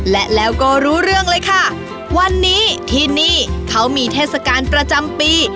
และแล้วก็รู้เรื่องเลยค่ะวันนี้ที่นี่เขามีเทศกาลประจำปี